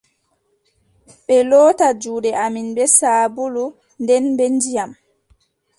Ɓe loota juuɗe amin bee saabulu, nden be ndiyam!